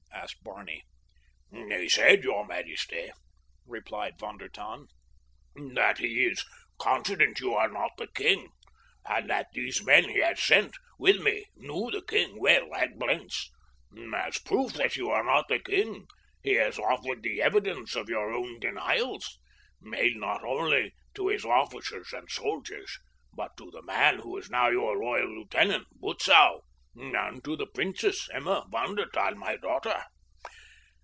asked Barney. "He said, your majesty," replied Von der Tann, "that he is confident you are not the king, and that these men he has sent with me knew the king well at Blentz. As proof that you are not the king he has offered the evidence of your own denials—made not only to his officers and soldiers, but to the man who is now your loyal lieutenant, Butzow, and to the Princess Emma von der Tann, my daughter.